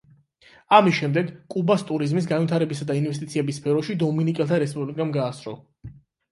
ამის შემდეგ, კუბას ტურიზმის, განვითარებისა და ინვესტიციების სფეროში დომინიკელთა რესპუბლიკამ გაასწრო.